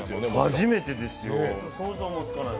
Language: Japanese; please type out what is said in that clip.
初めてですよ、想像もつかない。